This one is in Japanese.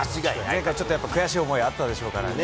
何かちょっと悔しい思いもあったでしょうからね。